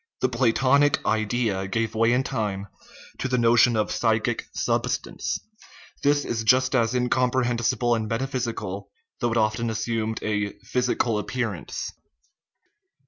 The Platonic " idea " gave way in time to the notion of psychic " substance"; this is just as incomprehensible and metaphysical, though it often assumed a physical appearance.